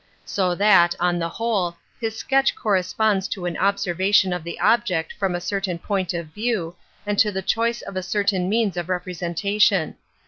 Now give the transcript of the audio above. So that, on the whole, his sketch corresponds to an observation of the object from a cer tain point of view and to the choice of a certain means of representation.